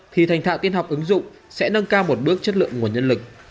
thì thành thạo tin học ứng dụng sẽ nâng cao một bước chất lượng nguồn nhân lực